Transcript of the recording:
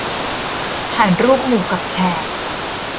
ถ่ายรูปหมู่กับแขก